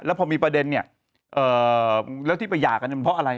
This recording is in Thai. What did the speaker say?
พอมีประเด็นเนี่ยแล้วที่ไปหย่ากันเพราะอะไร